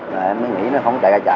rồi em mới nghĩ nó không chạy ra chợ